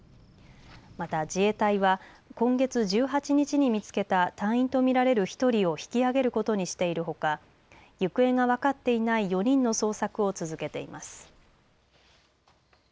また自衛隊は今月１８日に見つけた隊員と見られる１人を引きあげることにしているほか、行方が分かっていない４人の捜索を続けています。